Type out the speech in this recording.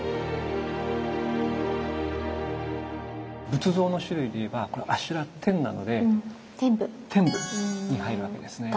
仏像の種類でいえば「阿修羅天」なので天部に入るわけですね。